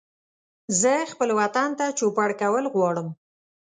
زه خپل وطن ته چوپړ کول غواړم